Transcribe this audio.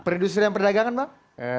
perindustrian perdagangan bang